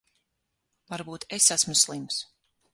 Varbūt es esmu slims.